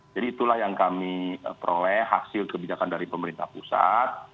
jadi itulah yang kami proleh hasil kebijakan dari pemerintah pusat